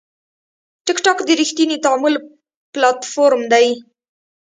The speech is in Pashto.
ټکټاک د ریښتیني تعامل پلاتفورم دی.